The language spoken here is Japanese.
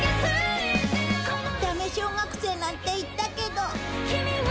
ダメ小学生なんて言ったけど。